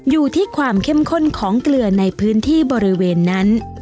อยู่ที่ความเข้มข้นของเกลือในพื้นที่บริเวณนั้น